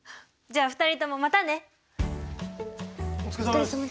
お疲れさまです！